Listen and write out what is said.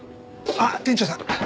あっ店長さん！